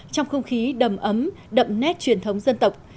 trong không khí đầm ấm đậm nét truyền thống dân tộc